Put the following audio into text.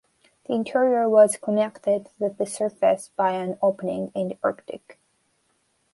The interior was connected with the surface by an opening in the Arctic.